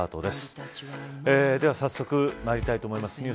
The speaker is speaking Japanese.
では早速まいりたいと思います。